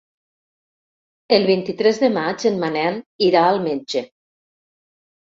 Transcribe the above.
El vint-i-tres de maig en Manel irà al metge.